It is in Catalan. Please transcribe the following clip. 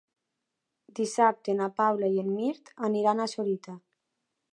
Dissabte na Paula i en Mirt aniran a Sorita.